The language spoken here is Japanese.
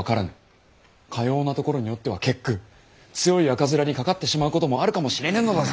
かようなところにおっては結句強い赤面にかかってしまうこともあるかもしれぬのだぞ。